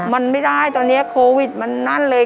มันไม่ได้ตอนนี้โควิดมันนั่นเลย